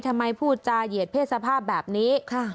ทำไมพูดจาเหยียดเพศสภาพแบบนี้ค่ะ